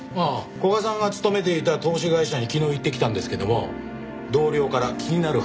古賀さんが勤めていた投資会社に昨日行ってきたんですけども同僚から気になる話が聞けました。